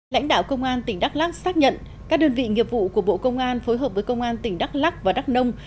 lãnh đạo công an tỉnh đắk lắc xác nhận các đơn vị nghiệp vụ của bộ công an phối hợp với công an tỉnh đắk lắc và đắk nông